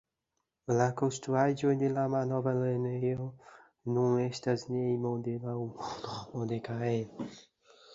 La konstruaĵoj de la malnova lernejo nun estas hejmo de la urbodomo de Caen.